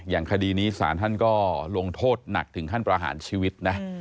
คดีนี้สารท่านก็ลงโทษหนักถึงขั้นประหารชีวิตนะ